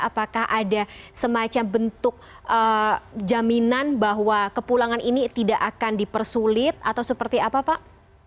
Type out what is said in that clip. apakah ada semacam bentuk jaminan bahwa kepulangan ini tidak akan dipersulit atau seperti apa pak